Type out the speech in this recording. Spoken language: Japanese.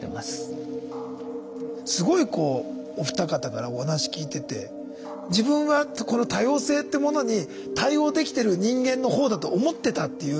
すごいこうお二方からお話聞いてて自分はこの多様性ってものに対応できてる人間のほうだと思ってたっていう大きな勘違い。